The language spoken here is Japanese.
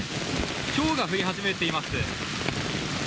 ひょうが降り始めています。